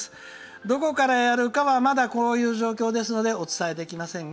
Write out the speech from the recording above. どこからやるかはまだこういう状況ですのでお伝えはできませんが。